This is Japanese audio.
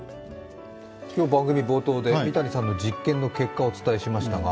番組冒頭で三谷さんの実験の結果をお伝えしましたが。